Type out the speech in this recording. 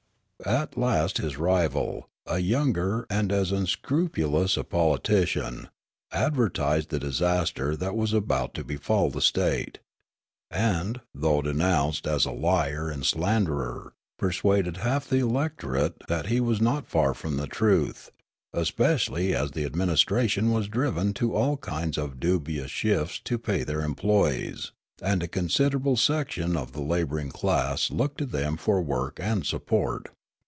At last his rival, a younger and as unscrupulous a politician, advertised the disaster that was about to befall the state, and, though denounced as a liar and slanderer, persuaded half the electorate that he was not far from the truth, especially as the administration was driven to all kinds of dubious shifts to pay their emploj ees ; and a considerable section of the labour ing class looked to them for work and support.